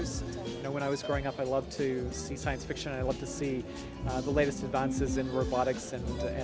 saat saya masih muda saya suka melihat sains fiksionis dan menonton kemajuan terbaru dalam robotik dan ai